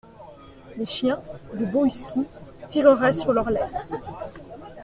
Les chiens, de beaux huskys, tireraient sur leurs laisses.